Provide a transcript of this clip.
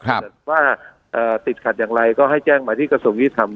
ถ้าสนตัดว่าติดขัดอย่างไรก็ให้แจ้งไว้ที่กระทรวงอินาทรัพย์